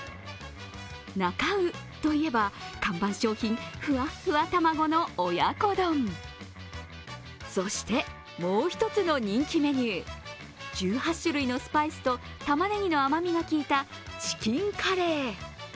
なか卯といえば看板商品、ふわっふわ卵の親子丼そして、もう一つの人気メニュー、１８種類のスパイスとたまねぎの甘みが効いたチキンカレー。